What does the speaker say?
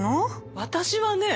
私はね